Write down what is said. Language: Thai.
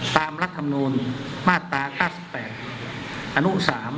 รัฐมนูลมาตรา๙๘อนุ๓